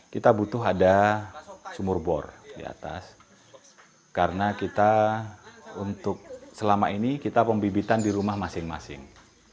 kita butuh ada sumur bor di atas karena kita untuk selama ini kita pembibitan di rumah masing masing